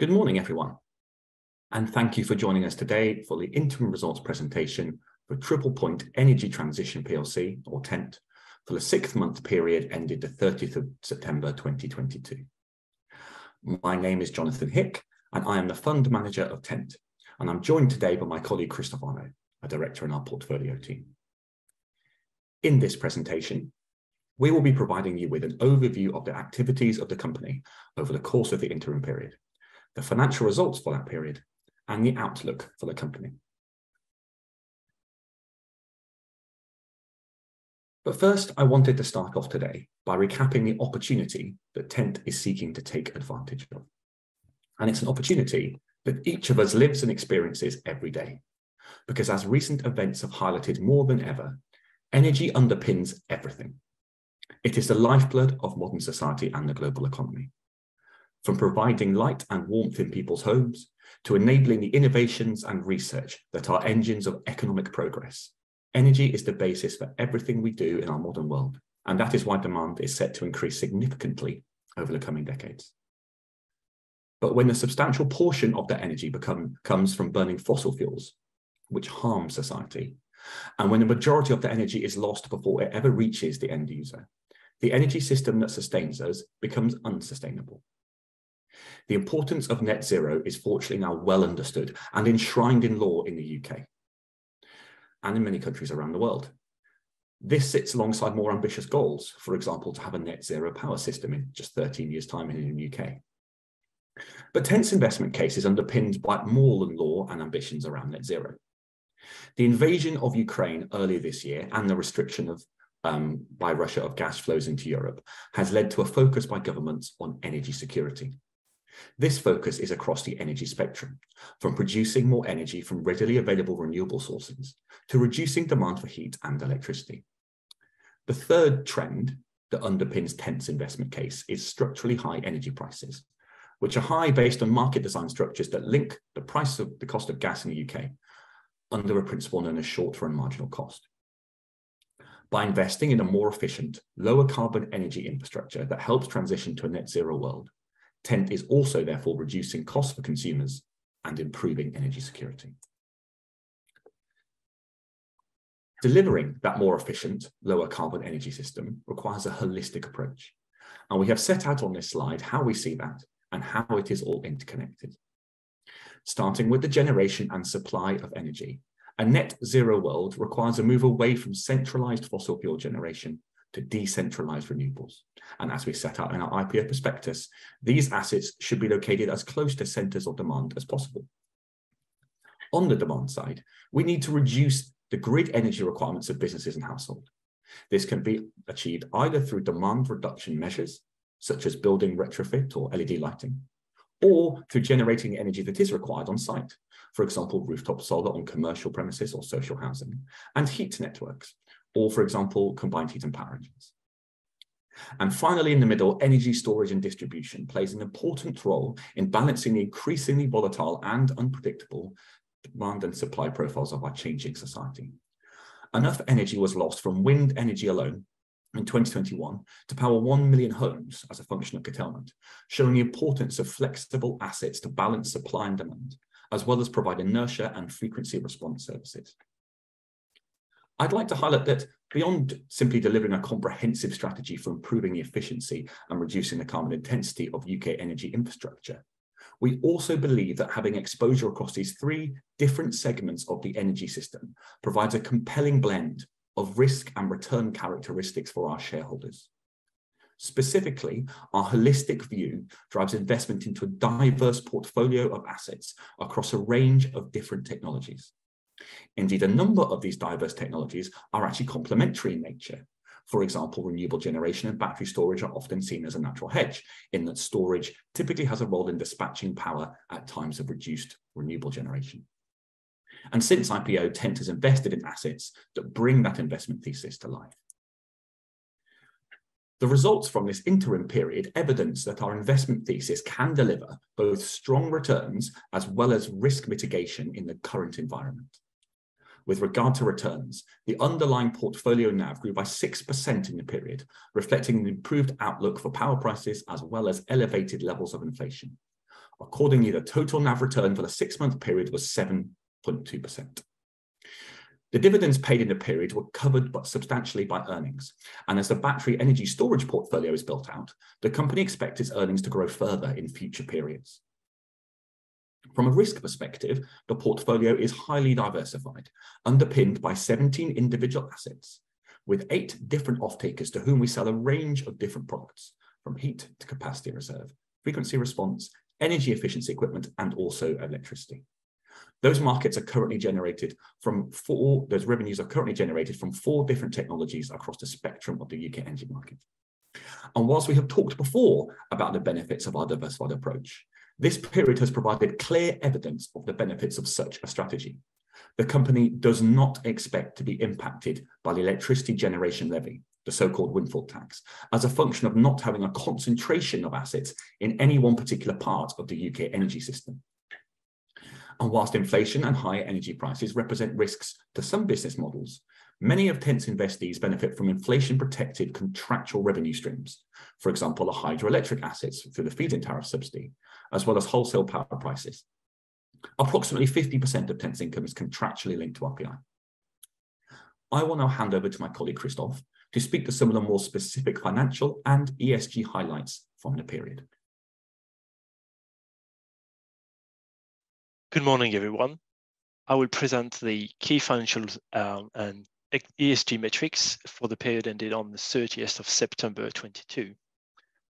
Good morning, everyone, thank you for joining us today for the interim results presentation for Triple Point Energy Transition plc or TENT for the six-month period ended the 30th of September 2022. My name is Jonathan Hick, and I am the fund manager of TENT. I'm joined today by my colleague, Christophe Arnoult, a director in our portfolio team. In this presentation, we will be providing you with an overview of the activities of the company over the course of the interim period, the financial results for that period, and the outlook for the company. First, I wanted to start off today by recapping the opportunity that TENT is seeking to take advantage of. It's an opportunity that each of us lives and experiences every day, because as recent events have highlighted more than ever, energy underpins everything. It is the lifeblood of modern society and the global economy. From providing light and warmth in people's homes to enabling the innovations and research that are engines of economic progress, energy is the basis for everything we do in our modern world, and that is why demand is set to increase significantly over the coming decades. But when a substantial portion of that energy comes from burning fossil fuels, which harm society, and when the majority of the energy is lost before it ever reaches the end user, the energy system that sustains us becomes unsustainable. The importance of net zero is fortunately now well understood and enshrined in law in the U.K. and in many countries around the world. This sits alongside more ambitious goals, for example, to have a net zero power system in just 13 years' time in the U.K. TENT's investment case is underpinned by more than law and ambitions around net zero. The invasion of Ukraine earlier this year and the restriction by Russia of gas flows into Europe has led to a focus by governments on energy security. This focus is across the energy spectrum, from producing more energy from readily available renewable sources to reducing demand for heat and electricity. The third trend that underpins TENT's investment case is structurally high energy prices, which are high based on market design structures that link the price of the cost of gas in the UK under a principle known as short-run marginal cost. By investing in a more efficient, lower carbon energy infrastructure that helps transition to a net zero world, TENT is also therefore reducing costs for consumers and improving energy security. Delivering that more efficient, lower carbon energy system requires a holistic approach, and we have set out on this slide how we see that and how it is all interconnected. Starting with the generation and supply of energy, a net zero world requires a move away from centralized fossil fuel generation to decentralized renewables. As we set out in our IPO prospectus, these assets should be located as close to centers of demand as possible. On the demand side, we need to reduce the grid energy requirements of businesses and households. This can be achieved either through demand reduction measures, such as building retrofit or LED lighting, or through generating energy that is required on site, for example, rooftop solar on commercial premises or social housing and heat networks or, for example, combined heat and power engines. Finally, in the middle, energy storage and distribution plays an important role in balancing the increasingly volatile and unpredictable demand and supply profiles of our changing society. Enough energy was lost from wind energy alone in 2021 to power 1 million homes as a function of curtailment, showing the importance of flexible assets to balance supply and demand, as well as provide inertia and frequency response services. I'd like to highlight that beyond simply delivering a comprehensive strategy for improving the efficiency and reducing the carbon intensity of U.K. energy infrastructure, we also believe that having exposure across these three different segments of the energy system provides a compelling blend of risk and return characteristics for our shareholders. Specifically, our holistic view drives investment into a diverse portfolio of assets across a range of different technologies. Indeed, a number of these diverse technologies are actually complementary in nature. For example, renewable generation and Battery Storage are often seen as a natural hedge in that storage typically has a role in dispatching power at times of reduced renewable generation. Since IPO, TENT has invested in assets that bring that investment thesis to life. The results from this interim period evidence that our investment thesis can deliver both strong returns as well as risk mitigation in the current environment. With regard to returns, the underlying portfolio NAV grew by 6% in the period, reflecting the improved outlook for power prices as well as elevated levels of inflation. Accordingly, the total NAV return for the six-month period was 7.2%. The dividends paid in the period were covered but substantially by earnings, and as the Battery Energy Storage portfolio is built out, the company expects its earnings to grow further in future periods. From a risk perspective, the portfolio is highly diversified, underpinned by 17 individual assets with 8 different off-takers to whom we sell a range of different products from heat to capacity reserve, frequency response, energy efficiency equipment, and also electricity. Those revenues are currently generated from 4 different technologies across the spectrum of the U.K. energy market. Whilst we have talked before about the benefits of our diversified approach, this period has provided clear evidence of the benefits of such a strategy. The company does not expect to be impacted by the Electricity Generator Levy, the so-called windfall tax, as a function of not having a concentration of assets in any one particular part of the U.K. energy system. Whilst inflation and high energy prices represent risks to some business models, many of TENT's investees benefit from inflation-protected contractual revenue streams. For example, our hydroelectric assets through the feed-in tariff subsidy, as well as wholesale power prices. Approximately 50% of TENT's income is contractually linked to RPI. I will now hand over to my colleague, Christophe, to speak to some of the more specific financial and ESG highlights from the period. Good morning, everyone. I will present the key financials, and ESG metrics for the period ended on the 30th of September 2022.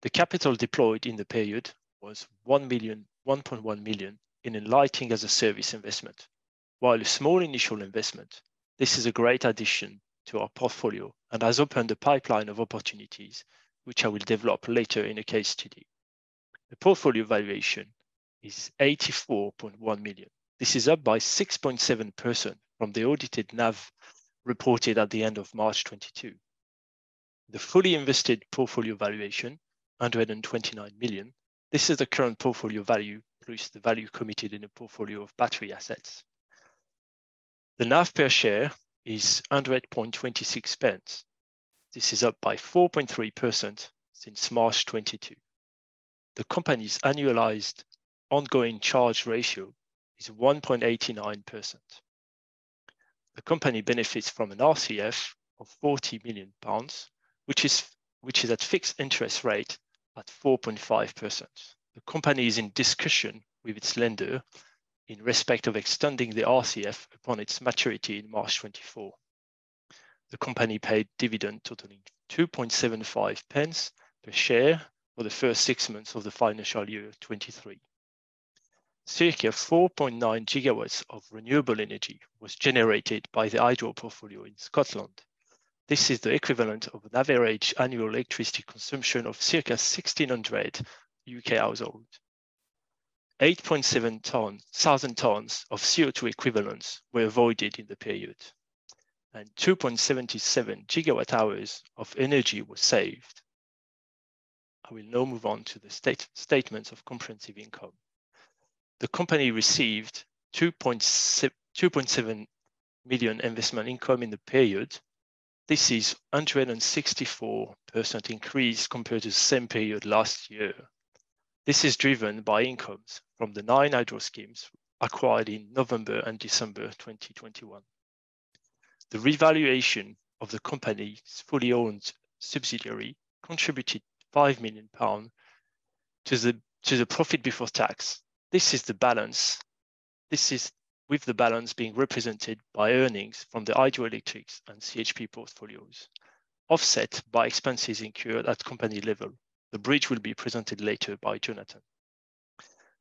The capital deployed in the period was 1.1 million in Lighting as a Service investment. While a small initial investment, this is a great addition to our portfolio and has opened a pipeline of opportunities which I will develop later in a case study. The portfolio valuation is 84.1 million. This is up by 6.7% from the audited NAV reported at the end of March 2022. The fully invested portfolio valuation, 129 million, this is the current portfolio value plus the value committed in the portfolio of battery assets. The NAV per share is 100.26 pence. This is up by 4.3% since March 2022. The company's annualized ongoing charge ratio is 1.89%. The company benefits from an RCF of 40 million pounds, which is at fixed interest rate at 4.5%. The company is in discussion with its lender in respect of extending the RCF upon its maturity in March 2024. The company paid dividend totaling 2.75 pence per share for the first six months of the financial year of 2023. Circa 4.9 GW of renewable energy was generated by the hydro portfolio in Scotland. This is the equivalent of an average annual electricity consumption of circa 1,600 UK households. 8,700 tons of CO2 equivalents were avoided in the period, and 2.77 GWh of energy were saved. I will now move on to the statements of comprehensive income. The company received 2.7 million investment income in the period. This is 164% increase compared to the same period last year. This is driven by incomes from the 9 hydro schemes acquired in November and December 2021. The revaluation of the company's fully owned subsidiary contributed 5 million pounds to the profit before tax. This is the balance. This is with the balance being represented by earnings from the hydroelectric and CHP portfolios, offset by expenses incurred at company level. The bridge will be presented later by Jonathan.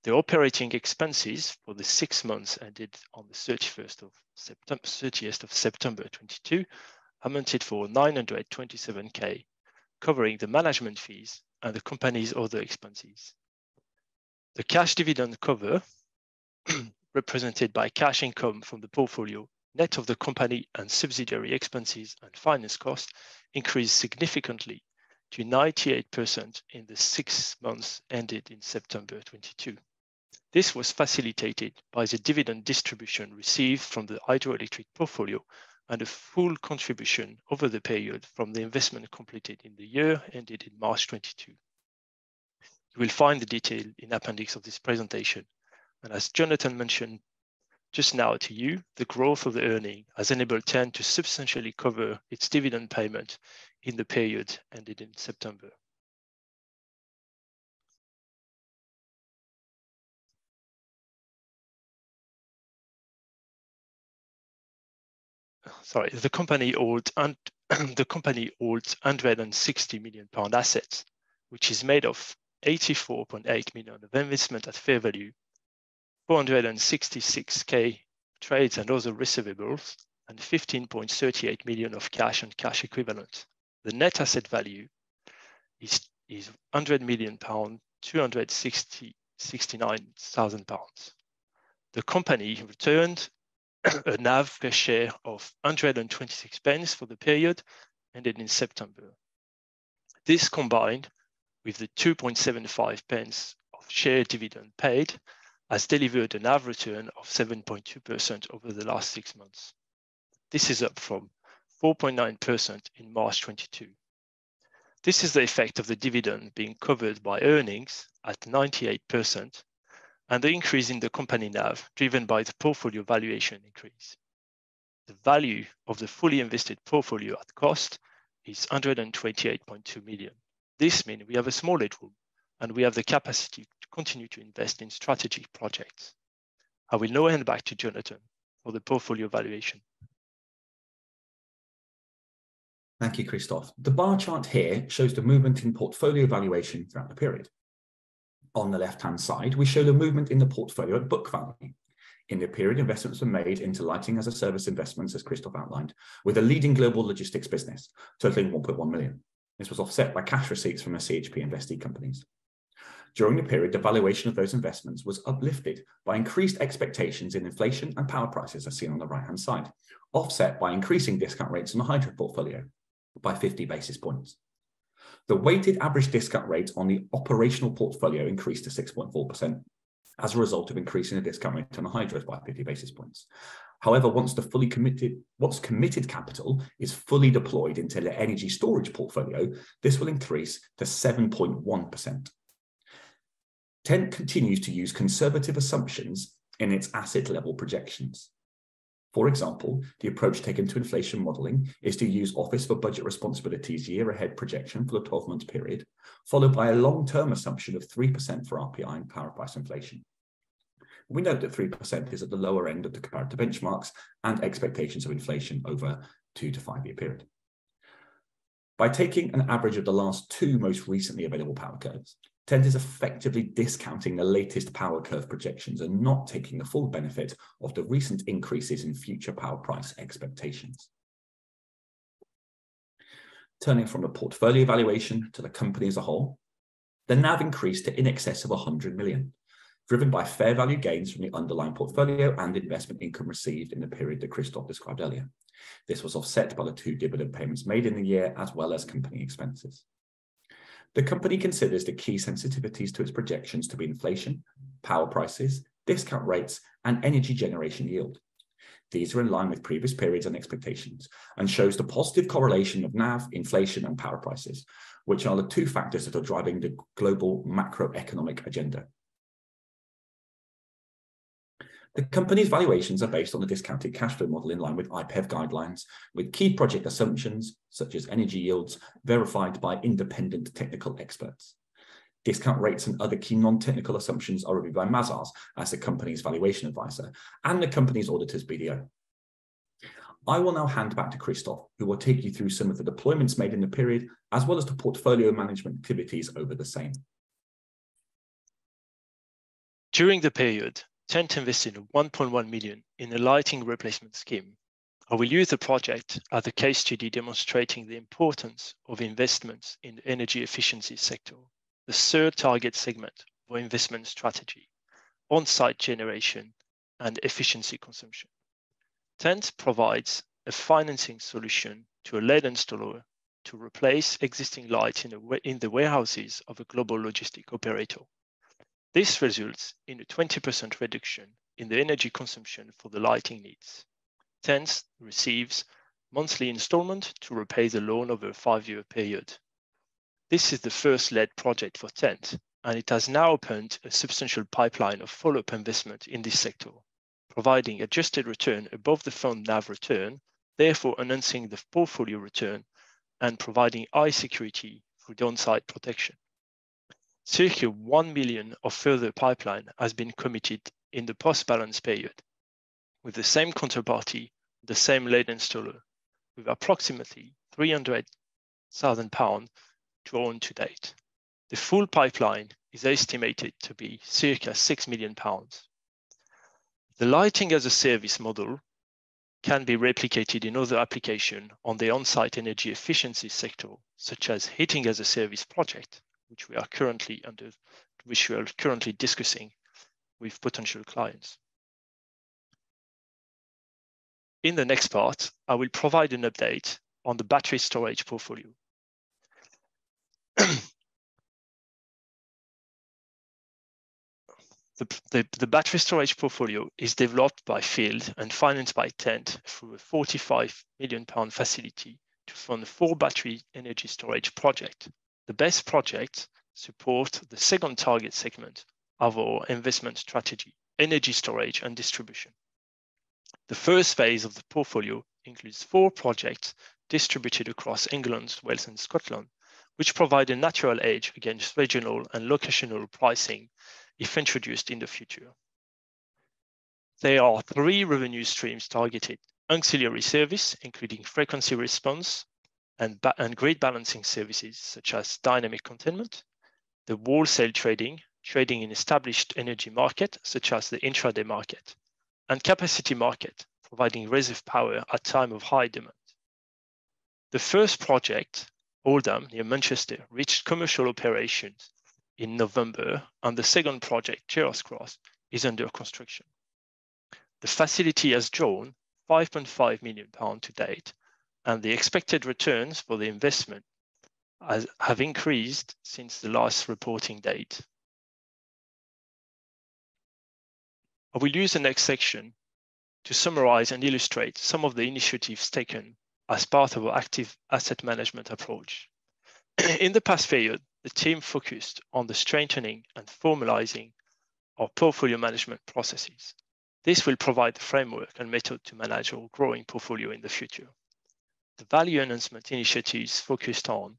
The operating expenses for the six months ended on the 30th of September 2022 amounted for 927K, covering the management fees and the company's other expenses. The cash dividend cover represented by cash income from the portfolio, net of the company and subsidiary expenses and finance costs, increased significantly to 98% in the six months ended in September 2022. This was facilitated by the dividend distribution received from the hydroelectric portfolio and a full contribution over the period from the investment completed in the year ended in March 2022. You will find the detail in appendix of this presentation. As Jonathan mentioned just now to you, the growth of the earning has enabled TENT to substantially cover its dividend payment in the period ended in September. Sorry, the company owned and the company holds 160 million pound assets, which is made of 84.8 million of investment at fair value, 466K trades and other receivables, and 15.38 million of cash and cash equivalents. The net asset value is 100 million pound, 69,000 pounds. The company returned a NAV per share of 126 pence for the period ended in September. This, combined with the 2.75 pence of share dividend paid, has delivered an average return of 7.2% over the last six months. This is up from 4.9% in March 2022. This is the effect of the dividend being covered by earnings at 98% and the increase in the company NAV, driven by the portfolio valuation increase. The value of the fully invested portfolio at cost is 128.2 million. This means we have a smaller group, and we have the capacity to continue to invest in strategy projects. I will now hand back to Jonathan for the portfolio valuation. Thank you, Christophe. The bar chart here shows the movement in portfolio valuation throughout the period. On the left-hand side, we show the movement in the portfolio at book value. In the period, investments were made into Lighting as a Service investments, as Christophe outlined, with a leading global logistics business totaling 1.1 million. This was offset by cash receipts from our CHP investee companies. During the period, the valuation of those investments was uplifted by increased expectations in inflation and power prices, as seen on the right-hand side, offset by increasing discount rates in the hydro portfolio by 50 basis points. The weighted average discount rate on the operational portfolio increased to 6.4% as a result of increasing the discount rate on the hydro by 50 basis points. Once committed capital is fully deployed into the energy storage portfolio, this will increase to 7.1%. TENT continues to use conservative assumptions in its asset level projections. For example, the approach taken to inflation modeling is to use Office for Budget Responsibility's year ahead projection for the 12-month period, followed by a long-term assumption of 3% for RPI and power price inflation. We note that 3% is at the lower end of the comparative benchmarks and expectations of inflation over a two-to-five-year period. By taking an average of the last two most recently available power curves, TENT is effectively discounting the latest power curve projections and not taking the full benefit of the recent increases in future power price expectations. Turning from the portfolio valuation to the company as a whole, the NAV increased to in excess of 100 million, driven by fair value gains from the underlying portfolio and investment income received in the period that Christophe described earlier. This was offset by the 2 dividend payments made in the year, as well as company expenses. The company considers the key sensitivities to its projections to be inflation, power prices, discount rates, and energy generation yield. These are in line with previous periods and expectations and shows the positive correlation of NAV, inflation and power prices, which are the 2 factors that are driving the global macroeconomic agenda. The company's valuations are based on the discounted cash flow model in line with IPEV guidelines, with key project assumptions such as energy yields verified by independent technical experts. Discount rates and other key non-technical assumptions are reviewed by Mazars as the company's valuation advisor and the company's auditors, BDO. I will now hand back to Christophe, who will take you through some of the deployments made in the period, as well as the portfolio management activities over the same. During the period, TENT invested 1.1 million in the lighting replacement scheme. I will use the project as a case study demonstrating the importance of investments in the energy efficiency sector, the third target segment for investment strategy, on-site generation and efficiency consumption. TENT provides a financing solution to a lead installer to replace existing light in the warehouses of a global logistic operator. This results in a 20% reduction in the energy consumption for the lighting needs. TENT receives monthly installment to repay the loan over a five-year period. This is the first lead project for TENT. It has now opened a substantial pipeline of follow-up investment in this sector, providing adjusted return above the fund NAV return, therefore enhancing the portfolio return and providing high security for the on-site protection. Circa 1 million of further pipeline has been committed in the post-balance period with the same counterparty, the same lead installer, with approximately 300,000 pounds drawn to date. The full pipeline is estimated to be circa 6 million pounds. The Lighting-as-a-Service model can be replicated in other application on the on-site energy efficiency sector, such as Heating as a Service project, which we are currently discussing with potential clients. In the next part, I will provide an update on the Battery Storage portfolio. The Battery Storage portfolio is developed by Field and financed by TENT through a 45 million pound facility to fund four Battery Energy Storage project. The BESS project support the second target segment of our investment strategy, energy storage and distribution. The first phase of the portfolio includes four projects distributed across England, Wales and Scotland, which provide a natural edge against regional and locational pricing if introduced in the future. There are three revenue streams targeted: ancillary service, including frequency response and grid balancing services such as Dynamic Containment, the wholesale trading in established energy market such as the intraday market, and capacity market, providing reserve power at time of high demand. The first project, Oldham, near Manchester, reached commercial operations in November, and the second project, Gerrards Cross, is under construction. The facility has drawn 5.5 million pounds to date, and the expected returns for the investment have increased since the last reporting date. I will use the next section to summarize and illustrate some of the initiatives taken as part of our active asset management approach. In the past period, the team focused on the strengthening and formalizing our portfolio management processes. This will provide the framework and method to manage our growing portfolio in the future. The value enhancement initiatives focused on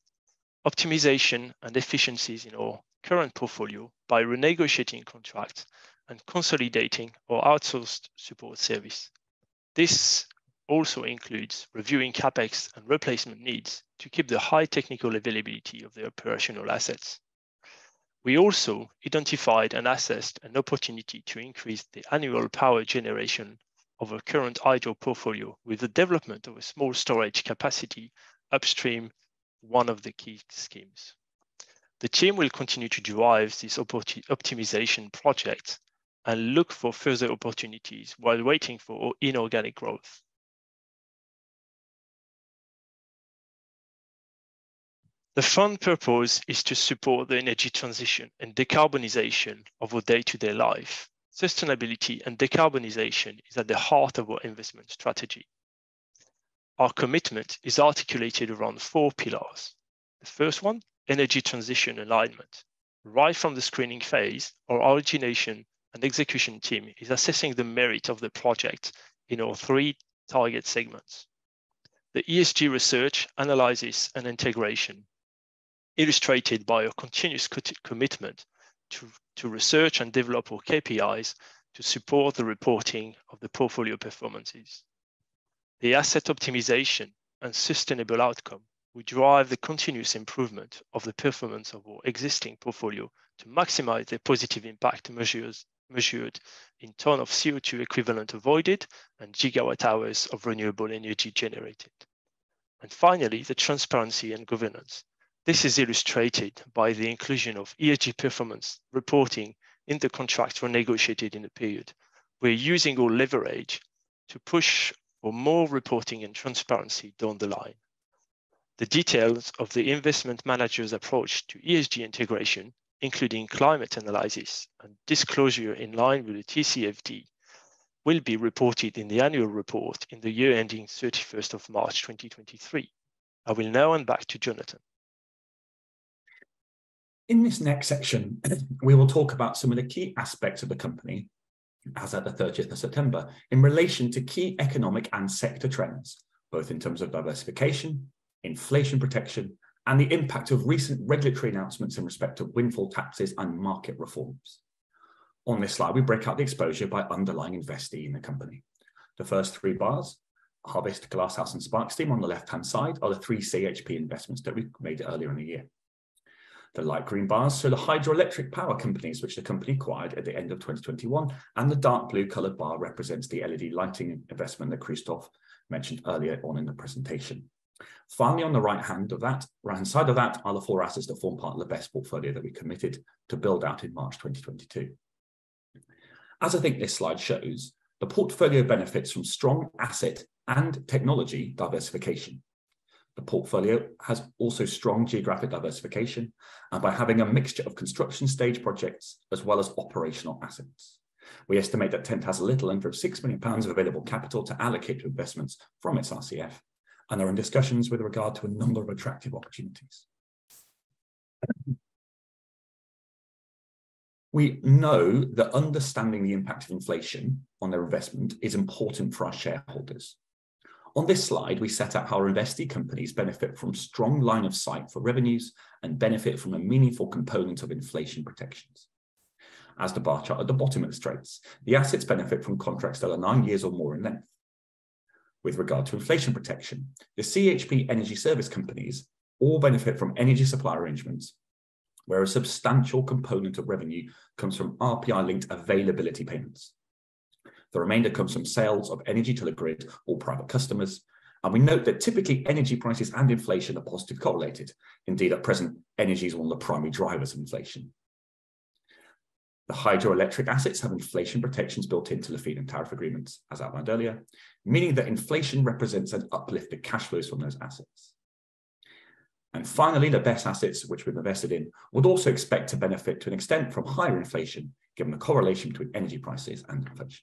optimization and efficiencies in our current portfolio by renegotiating contracts and consolidating our outsourced support service. This also includes reviewing CapEx and replacement needs to keep the high technical availability of the operational assets. We also identified and assessed an opportunity to increase the annual power generation of our current hydro portfolio with the development of a small storage capacity upstream one of the key schemes. The team will continue to drive this optimization project and look for further opportunities while waiting for inorganic growth. The fund purpose is to support the energy transition and decarbonization of our day-to-day life. Sustainability and decarbonization is at the heart of our investment strategy. Our commitment is articulated around four pillars. The first one, energy transition alignment. Right from the screening phase, our origination and execution team is assessing the merit of the project in our three target segments. The ESG research, analysis, and integration illustrated by a continuous co-commitment to research and develop our KPIs to support the reporting of the portfolio performances. The asset optimization and sustainable outcome will drive the continuous improvement of the performance of our existing portfolio to maximize the positive impact measures measured in terms of CO2 equivalent avoided and gigawatt hours of renewable energy generated. Finally, the transparency and governance. This is illustrated by the inclusion of ESG performance reporting in the contract were negotiated in the period. We're using our leverage to push for more reporting and transparency down the line. The details of the investment manager's approach to ESG integration, including climate analysis and disclosure in line with the TCFD, will be reported in the annual report in the year ending 31st of March 2023. I will now hand back to Jonathan. In this next section, we will talk about some of the key aspects of the company as at the 30th of September in relation to key economic and sector trends, both in terms of diversification, inflation protection, and the impact of recent regulatory announcements in respect to windfall taxes and market reforms. On this slide, we break out the exposure by underlying investee in the company. The first three bars, Harvest, Glasshouse, and Spark Steam on the left-hand side, are the 3 CHP investments that we made earlier in the year. The light green bars are the hydroelectric power companies which the company acquired at the end of 2021, and the dark blue colored bar represents the LED lighting investment that Christophe mentioned earlier on in the presentation. On the right-hand side of that, are the four assets that form part of the BESS portfolio that we committed to build out in March 2022. I think this slide shows, the portfolio benefits from strong asset and technology diversification. The portfolio has also strong geographic diversification and by having a mixture of construction stage projects as well as operational assets. We estimate that TENT has a little in front of 6 million pounds of available capital to allocate to investments from its RCF, and they're in discussions with regard to a number of attractive opportunities. We know that understanding the impact of inflation on their investment is important for our shareholders. On this slide, we set out how our investee companies benefit from strong line of sight for revenues and benefit from a meaningful component of inflation protections. As the bar chart at the bottom illustrates, the assets benefit from contracts that are nine years or more in length. With regard to inflation protection, the CHP energy service companies all benefit from energy supply arrangements, where a substantial component of revenue comes from RPI-linked availability payments. The remainder comes from sales of energy to the grid or private customers, and we note that typically energy prices and inflation are positively correlated. Indeed, at present, energy is one of the primary drivers of inflation. The hydroelectric assets have inflation protections built into the feed-in tariff agreements, as outlined earlier, meaning that inflation represents an uplift in cash flows from those assets. Finally, the BESS assets which we've invested in would also expect to benefit to an extent from higher inflation, given the correlation between energy prices and inflation.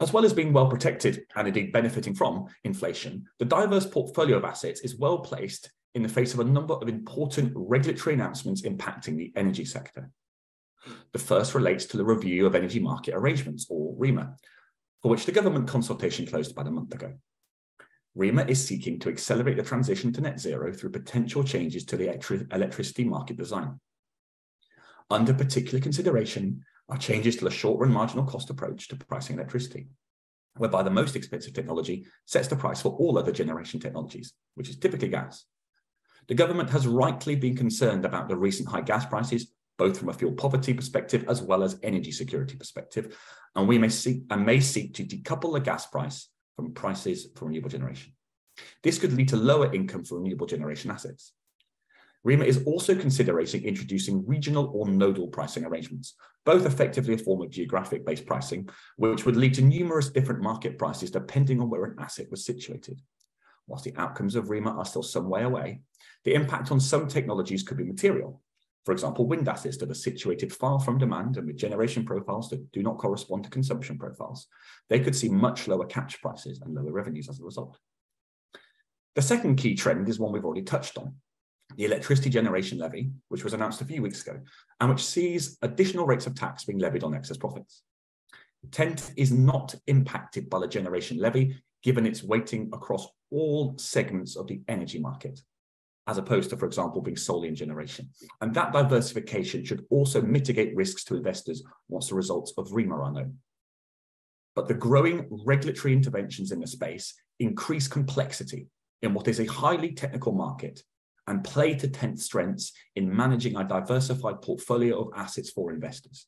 As well as being well-protected and indeed benefiting from inflation, the diverse portfolio of assets is well-placed in the face of a number of important regulatory announcements impacting the energy sector. The first relates to the Review of Electricity Market Arrangements, or REMA, for which the government consultation closed about a month ago. REMA is seeking to accelerate the transition to net zero through potential changes to the electricity market design. Under particular consideration are changes to the short-run marginal cost approach to pricing electricity, whereby the most expensive technology sets the price for all other generation technologies, which is typically gas. The government has rightly been concerned about the recent high gas prices, both from a fuel poverty perspective as well as energy security perspective, and we may seek to decouple the gas price from prices for renewable generation. This could lead to lower income for renewable generation assets. REMA is also considering introducing regional or nodal pricing arrangements, both effectively a form of geographic-based pricing, which would lead to numerous different market prices depending on where an asset was situated. Whilst the outcomes of REMA are still some way away, the impact on some technologies could be material. For example, wind assets that are situated far from demand and with generation profiles that do not correspond to consumption profiles, they could see much lower catch prices and lower revenues as a result. The second key trend is one we've already touched on, the Electricity Generation Levy, which was announced a few weeks ago and which sees additional rates of tax being levied on excess profits. TENT is not impacted by the Electricity Generator Levy given its weighting across all segments of the energy market, as opposed to, for example, being solely in generation. That diversification should also mitigate risks to investors once the results of REMA are known. The growing regulatory interventions in the space increase complexity in what is a highly technical market and play to TENT's strengths in managing a diversified portfolio of assets for investors.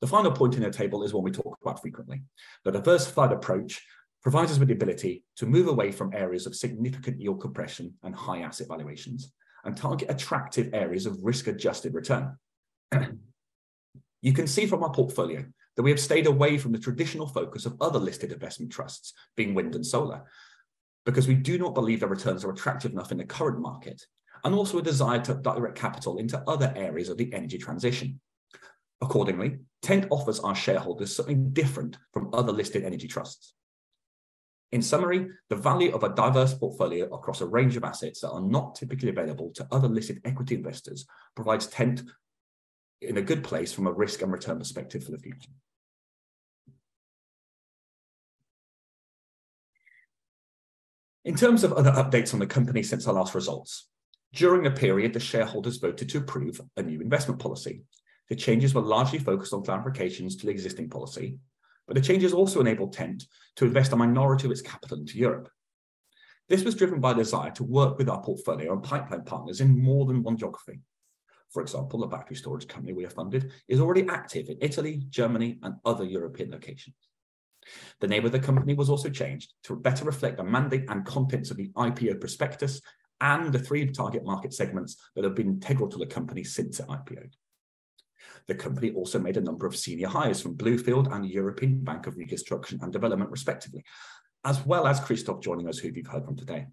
The final point in our table is one we talk about frequently. The diversified approach provides us with the ability to move away from areas of significant yield compression and high asset valuations and target attractive areas of risk-adjusted return. You can see from our portfolio that we have stayed away from the traditional focus of other listed investment trusts, being wind and solar, because we do not believe the returns are attractive enough in the current market and also a desire to direct capital into other areas of the energy transition. Accordingly, TENT offers our shareholders something different from other listed energy trusts. In summary, the value of a diverse portfolio across a range of assets that are not typically available to other listed equity investors provides TENT in a good place from a risk and return perspective for the future. In terms of other updates on the company since our last results, during the period, the shareholders voted to approve a new investment policy. The changes were largely focused on clarifications to the existing policy. The changes also enabled TENT to invest a minority of its capital into Europe. This was driven by the desire to work with our portfolio and pipeline partners in more than one geography. For example, a Battery Storage company we have funded is already active in Italy, Germany, and other European locations. The name of the company was also changed to better reflect the mandate and contents of the IPO prospectus and the three target market segments that have been integral to the company since its IPO. The company also made a number of senior hires from Bluefield and European Bank for Reconstruction and Development, respectively, as well as Christophe joining us, who you've heard from today.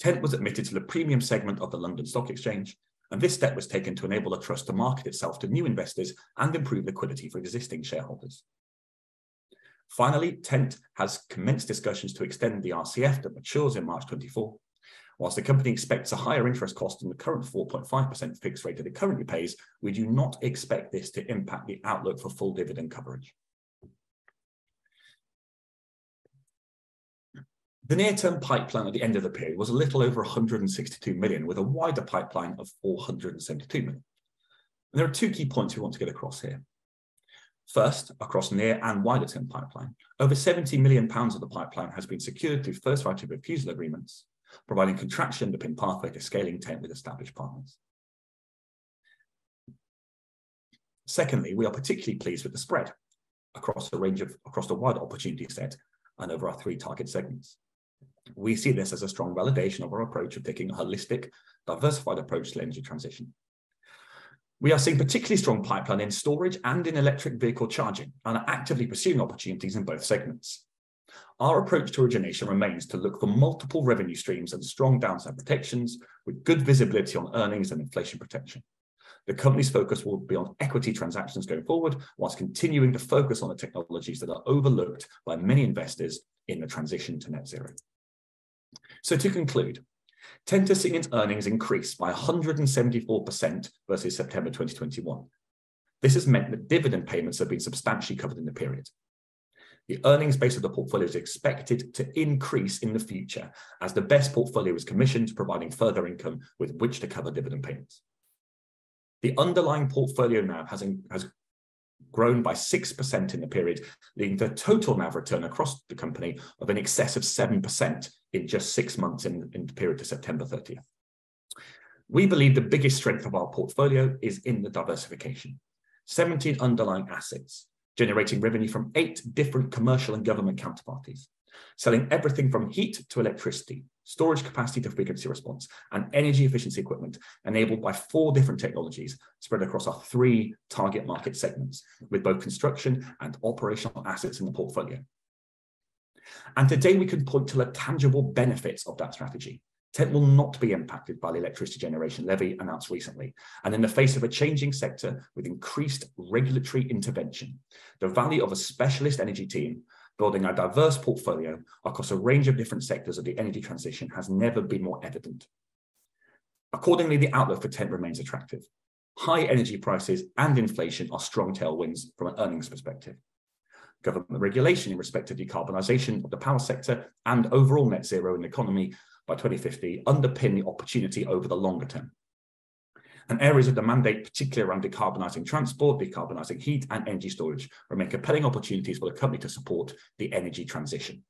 TENT was admitted to the premium segment of the London Stock Exchange. This step was taken to enable the trust to market itself to new investors and improve liquidity for existing shareholders. Finally, TENT has commenced discussions to extend the RCF that matures in March 2024. Whilst the company expects a higher interest cost than the current 4.5% fixed rate that it currently pays, we do not expect this to impact the outlook for full dividend coverage. The near-term pipeline at the end of the period was a little over 162 million, with a wider pipeline of 472 million. There are two key points we want to get across here. First, across near and wider term pipeline, over 70 million pounds of the pipeline has been secured through first right of refusal agreements, providing contraction to pin pathway to scaling TENT with established partners. Secondly, we are particularly pleased with the spread across the wider opportunity set and over our three target segments. We see this as a strong validation of our approach of taking a holistic, diversified approach to the energy transition. We are seeing particularly strong pipeline in storage and in electric vehicle charging and are actively pursuing opportunities in both segments. Our approach to origination remains to look for multiple revenue streams and strong downside protections with good visibility on earnings and inflation protection. The company's focus will be on equity transactions going forward whilst continuing to focus on the technologies that are overlooked by many investors in the transition to net zero. To conclude, TENT net earnings increased by 174% versus September 2021. This has meant that dividend payments have been substantially covered in the period. The earnings base of the portfolio is expected to increase in the future as the BESS portfolio is commissioned, providing further income with which to cover dividend payments. The underlying portfolio NAV has grown by 6% in the period, leading to a total NAV return across the company of in excess of 7% in just six months in the period to September 30th. We believe the biggest strength of our portfolio is in the diversification. 17 underlying assets generating revenue from eight different commercial and government counterparties, selling everything from heat to electricity, storage capacity to frequency response, and energy efficiency equipment enabled by four different technologies spread across our three target market segments with both construction and operational assets in the portfolio. Today, we can point to the tangible benefits of that strategy. TENT will not be impacted by the Electricity Generator Levy announced recently, and in the face of a changing sector with increased regulatory intervention, the value of a specialist energy team building a diverse portfolio across a range of different sectors of the energy transition has never been more evident. Accordingly, the outlook for TENT remains attractive. High energy prices and inflation are strong tailwinds from an earnings perspective. Government regulation in respect of decarbonization of the power sector and overall net zero in the economy by 2050 underpin the opportunity over the longer term. Areas of the mandate, particularly around decarbonizing transport, decarbonizing heat, and energy storage, remain compelling opportunities for the company to support the energy transition.